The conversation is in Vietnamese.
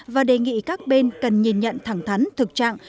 và đề nghị các bên cần nhìn nhận thẳng thắn thực trạng